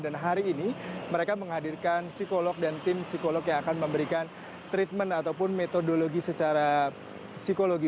dan hari ini mereka menghadirkan psikolog dan tim psikolog yang akan memberikan treatment ataupun metodologi secara psikologi